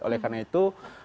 oleh karena itu